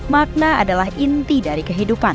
makna adalah inti dari kehidupan